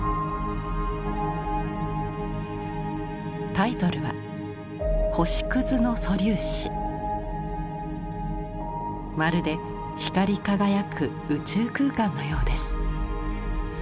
タイトルはまるで光り輝く宇宙空間のようです。